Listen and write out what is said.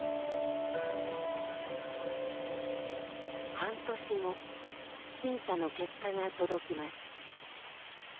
半年後審査の結果が届きます。